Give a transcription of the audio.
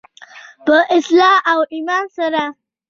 په اخلاص او ایمان سره.